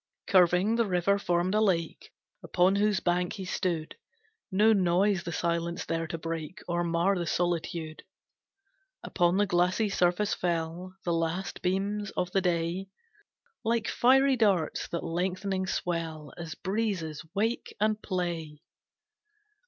Curving, the river formed a lake, Upon whose bank he stood, No noise the silence there to break, Or mar the solitude. Upon the glassy surface fell The last beams of the day, Like fiery darts, that lengthening swell, As breezes wake and play.